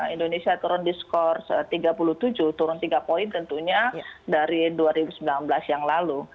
indonesia turun di skor tiga puluh tujuh turun tiga poin tentunya dari dua ribu sembilan belas yang lalu